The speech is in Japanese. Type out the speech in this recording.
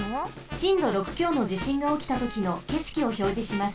しんど６きょうのじしんがおきたときのけしきをひょうじします。